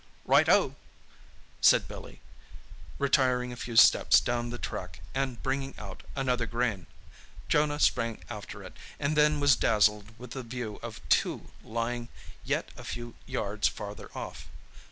"Right oh!" said Bffly, retiring a few steps down the track and bringing out another grain. Jonah sprang after it, and then was dazzled with the view of two lying yet a few yards farther off.